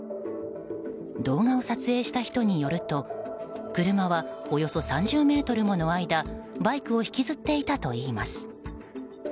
動画を撮影した人によると車は、およそ３０ｍもの間バイクを引きずっていたといいます。